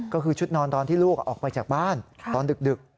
ก็คือชุดนอนตอนที่ลูกออกไปจากบ้านตอนดึก